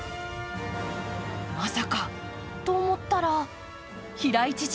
まさかと思ったら、平井知事